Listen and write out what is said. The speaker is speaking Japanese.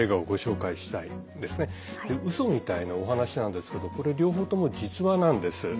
うそみたいなお話なんですけどこれ、両方とも実話なんです。